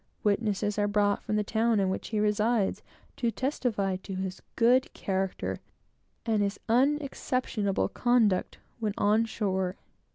Witnesses are brought from the town in which he resides, to testify to his good character, and to his unexceptionable conduct when on shore.